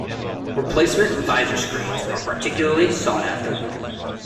Replacement visor screens are particularly sought after.